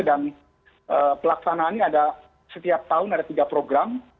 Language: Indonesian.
dan pelaksanaannya ada setiap tahun ada tiga program